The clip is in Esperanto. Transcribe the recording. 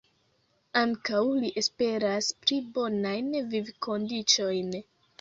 Ankaŭ li esperas pli bonajn vivkondiĉojn.